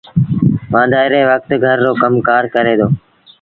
وآݩدآئيٚ ري وکت گھر رو ڪم ڪآر ڪري دو